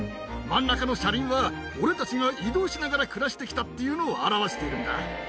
真ん中の車輪は俺たちが移動しながら暮らして来たっていうのを表しているんだ。